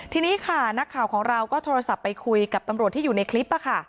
ทีนี้ค่ะนักข่าวของเราก็โทรศัพท์ไปคุยกับตำรวจที่อยู่ในคลิป